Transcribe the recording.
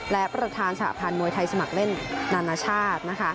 และประธานสหพันธ์มวยไทยสมัครเล่นนานาชาติ